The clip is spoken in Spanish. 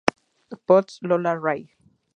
Post-Lola Ray.